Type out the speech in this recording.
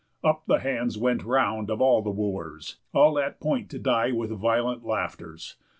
Up the hands went round Of all the Wooers, all at point to die With violent laughters.